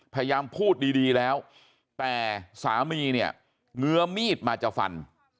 พยายามพูดดีแล้วแต่สามีเนี่ยเงื้อมีดมาจะฟัน